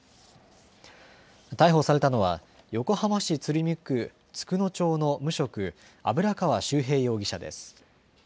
逮捕されたのは、横浜市鶴見区佃野町の無職、油川秀平容疑者です。